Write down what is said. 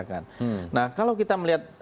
kalau kita melihat